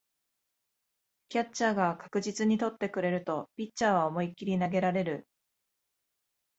キャッチャーが確実に捕ってくれるとピッチャーは思いっきり投げられる